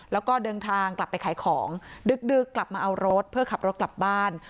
แล้วก็เดินทางกลับไปขายของดึกกลับมาเอารถเพื่อขับรถกลับบ้าน